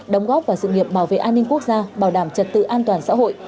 đóng góp vào sự nghiệp bảo vệ an ninh quốc gia bảo đảm trật tự an toàn xã hội